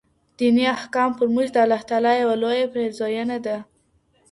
دیني احکام پر موږ د الله تعالی یوه لویه پېرزوېنه ده.